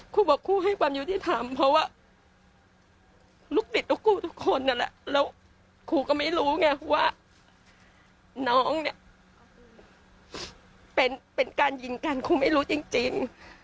ครูบอกครูให้ความยุติธรรมเพราะว่าลูกติดลูกคู่ทุกคนนั่นแหละแล้วครูก็ไม่รู้ไงว่าน้องเนี่ยเป็นการยิงกันครูไม่รู้จริง